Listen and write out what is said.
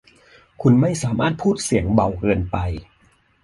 คุณไม่สามารถพูดเสียงเบาเกินไป